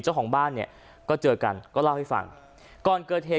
เจ้าของบ้านเนี่ยก็เจอกันก็เล่าให้ฟังก่อนเกิดเหตุ